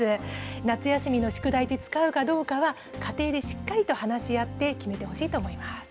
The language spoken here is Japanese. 夏休みの宿題で使うかどうかは、家庭でしっかりと話し合って決めてほしいと思います。